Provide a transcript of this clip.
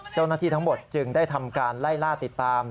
เจ้าหน้าที่ทั้งหมดจึงได้ทำการไล่ล่าติดตาม